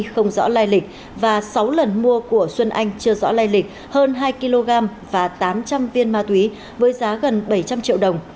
không rõ lai lịch và sáu lần mua của xuân anh chưa rõ lây lịch hơn hai kg và tám trăm linh viên ma túy với giá gần bảy trăm linh triệu đồng